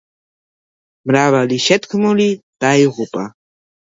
მრავალი შეთქმული დაიღუპა.